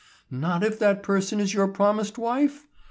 "Not if that person is your promised wife?"